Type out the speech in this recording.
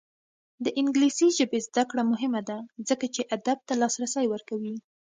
د انګلیسي ژبې زده کړه مهمه ده ځکه چې ادب ته لاسرسی ورکوي.